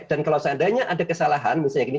dan kalau seandainya ada kesalahan misalnya gini